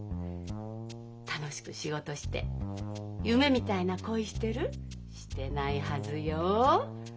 楽しく仕事して夢みたいな恋してる？してないはずよ。